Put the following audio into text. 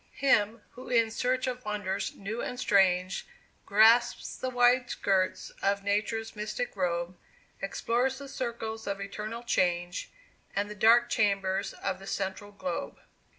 Him, who in search of wonders new and strange, Grasps the wide skirts of Nature's mystic robe Explores the circles of eternal change, And the dark chambers of the central globe.